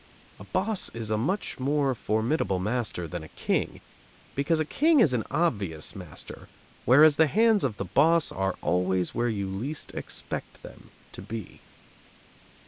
A boss is a much more formidable master than a king, because a king is an obvious master, whereas the hands of the boss are always where you least expect them to be.